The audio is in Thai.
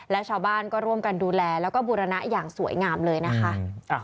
และชาวบ้านก็ร่วมกันดูแลแล้วก็บูรณะอย่างสวยงามเลยนะคะ